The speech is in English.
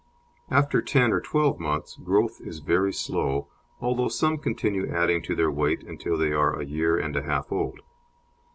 After ten or twelve months, growth is very slow, although some continue adding to their height until they are a year and a half old.